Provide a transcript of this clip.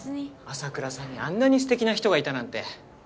麻倉さんにあんなに素敵な人がいたなんて。